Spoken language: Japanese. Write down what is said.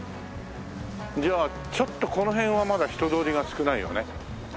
じゃあちょっとこの辺はまだ人通りが少ないよね。